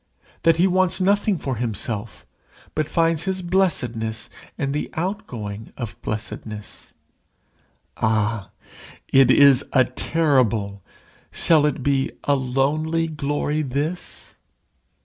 that he wants nothing for himself, but finds his blessedness in the outgoing of blessedness. Ah! it is a terrible shall it be a lonely glory this?